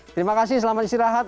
terima kasih selamat istirahat